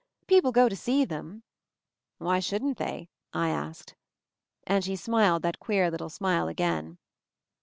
People go to see them " "Why shouldn't they?" I asked. And she smiled that queer little smile again.